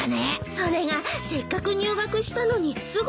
それがせっかく入学したのにすぐ辞めちゃったの。